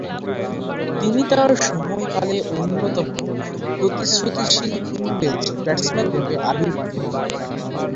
তিনি তার সময়কালে অন্যতম প্রতিশ্রুতিশীল ইংরেজ ব্যাটসম্যানরূপে আবির্ভূত হন।